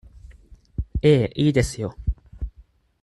ええ、いいですよ。